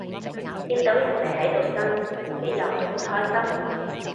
見到人哋喺度呻，自己又唔會開心